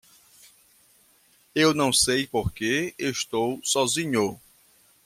Eu não sei porque estou sozinho